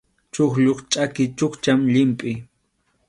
Chuqllup chʼaki chukchan llimpʼi.